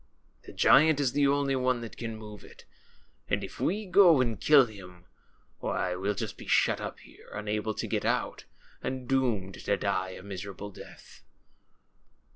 The giant is the only one that can move it ; and if we go and kill him, Avhy we'll just be shut up here, unable to get out, and doomed to die a miserable death.